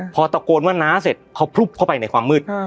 พอตะโกนว่าน้าเสร็จเขาพลุบเข้าไปในความมืด